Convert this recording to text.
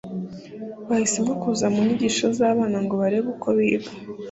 Bahisemo kuza mu nyigisho z’abana ngo barebe uko biga